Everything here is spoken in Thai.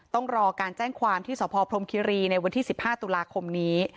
ต้องรอการแจ้งความที่สพพรมคิรีในวันที่๑๕ตุลาคมนี้